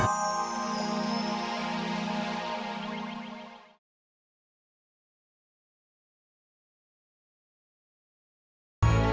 kau mau bertanya